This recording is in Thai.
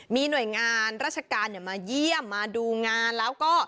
มีหน่วยงานราชการมาเยี่ยมมาดูงานแล้วก็